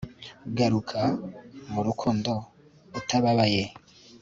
Garuka mu rukundo utababaye